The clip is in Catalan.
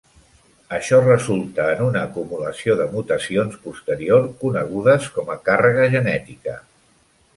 Això resulta en una acumulació de mutacions posterior conegudes com a càrrega genètica.